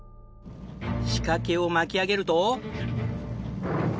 仕掛けを巻き上げると。